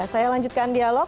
saya lanjutkan dialog